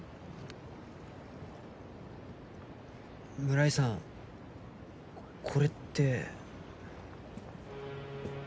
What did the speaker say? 村井さんこれって。